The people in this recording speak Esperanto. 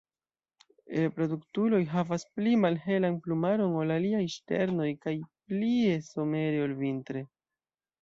Reproduktuloj havas pli malhelan plumaron ol aliaj ŝternoj kaj plie somere ol vintre.